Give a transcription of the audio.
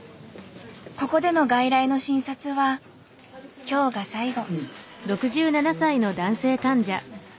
ここでの外来の診察は今日が最後。